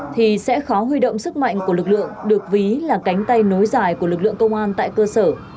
thì sẽ khó huy động sức mạnh của lực lượng được ví là cánh tay nối dài của lực lượng công an tại cơ sở